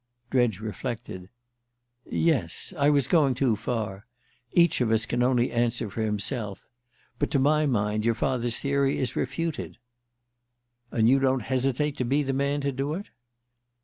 Dredge reflected. "Yes: I was going too far. Each of us can only answer for himself. But to my mind your father's theory is refuted." "And you don't hesitate to be the man to do it?"